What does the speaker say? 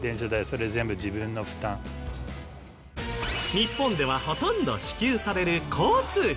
日本ではほとんど支給される交通費。